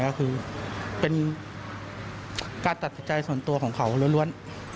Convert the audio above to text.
ก็คือเป็นการตัดสินใจส่วนตัวของเขาล้วน